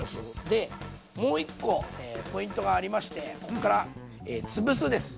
でもう１個ポイントがありましてこっから「つぶす」です！